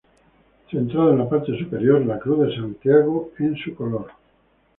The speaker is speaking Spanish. Centrado en la parte superior la Cruz de Santiago en su color.